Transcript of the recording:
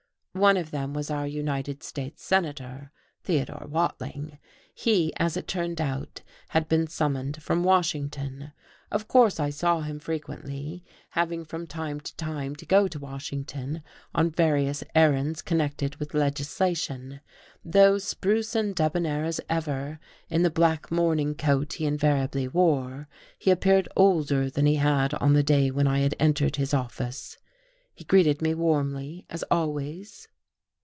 One of them was our United States Senator, Theodore Watling. He, as it turned out, had been summoned from Washington. Of course I saw him frequently, having from time to time to go to Washington on various errands connected with legislation. Though spruce and debonnair as ever, in the black morning coat he invariably wore, he appeared older than he had on the day when I had entered his office. He greeted me warmly, as always.